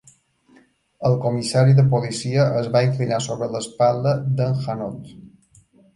El comissari de policia es va inclinar sobre l'espatlla d'en Hanaud.